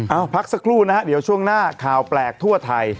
เอาพักสักครู่นะฮะเดี๋ยวช่วงหน้าข่าวแปลกทั่วไทย